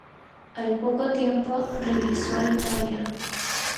Al poco tiempo, regresó a Italia.